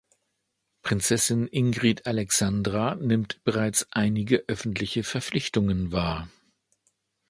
Prinzessin Ingrid Alexandra nimmt bereits einige öffentliche Verpflichtungen wahr.